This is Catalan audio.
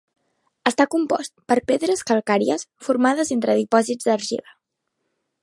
Està compost per pedres calcàries formades entre dipòsits d'argila.